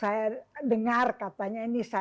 saya dengar katanya ini saya dengar tapi saya